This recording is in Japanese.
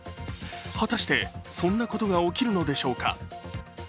果たして、そんなことが起きるのでしょうか。